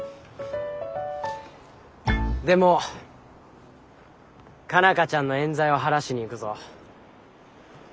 でも佳奈花ちゃんのえん罪を晴らしに行くぞ。